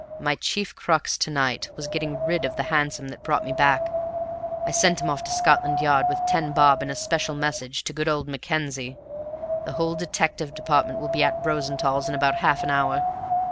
My chief crux to night was getting rid of the hansom that brought me back. I sent him off to Scotland Yard with ten bob and a special message to good old Mackenzie. The whole detective department will be at Rosenthall's in about half an hour.